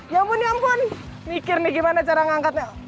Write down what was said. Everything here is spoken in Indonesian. ya ampun ya ampun mikir nih gimana cara ngangkatnya